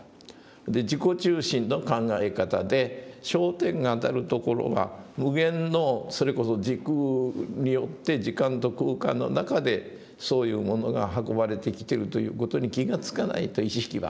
自己中心の考え方で焦点が当たるところは無限のそれこそ時空によって時間と空間の中でそういうものが運ばれてきてるという事に気がつかないと意識は。